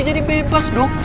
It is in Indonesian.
jadi bebas duk